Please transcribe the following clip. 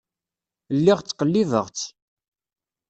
Lliɣ ttqellibeɣ-tt.